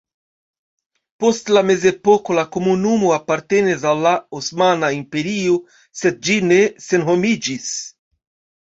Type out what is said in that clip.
Post la mezepoko la komunumo apartenis al la Osmana Imperio sed ĝi ne senhomiĝis.